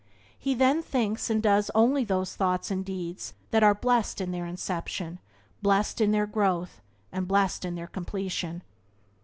He then thinks and does only those thoughts and deeds that are blessed in their inception, blessed in their growth, and blessed in their completion.